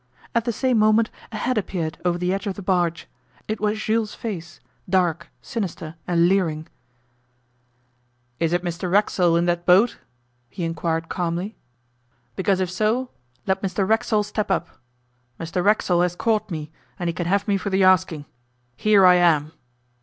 At the same moment a head appeared over the edge of the barge. It was Jules' face dark, sinister and leering. 'Is it Mr Racksole in that boat?' he inquired calmly; 'because if so, let Mr Racksole step up. Mr Racksole has caught me, and he can have me for the asking. Here I am.